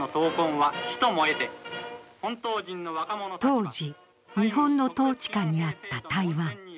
当時、日本の統治下にあった台湾。